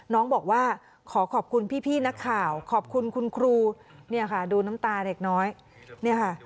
น้องบอกว่าขอขอบคุณพี่นักข่าวขอบคุณคุณครูเนี่ยค่ะดูน้ำตาเด็กน้อยเนี่ยค่ะ